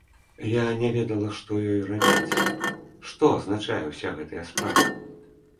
Яна не ведала, што ёй рабіць, што азначае ўся гэтая справа.